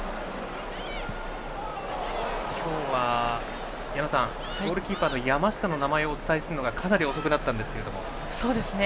今日は矢野さんゴールキーパーの山下の名前をお伝えするのがかなり遅くなったんですけれども。